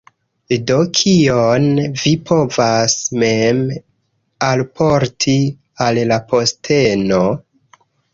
Do kion vi povas mem alporti al la posteno?